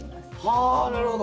はなるほど！